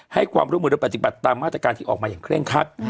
ให้ความร่วมมือและปฏิบัติตามมาตรการที่ออกมาอย่างเคร่งคัด